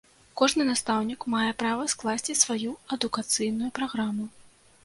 Кожны настаўнік мае права скласці сваю адукацыйную праграму.